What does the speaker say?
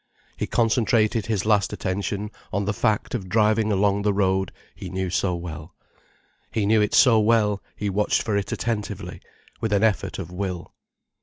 He concentrated his last attention on the fact of driving along the road he knew so well. He knew it so well, he watched for it attentively, with an effort of will.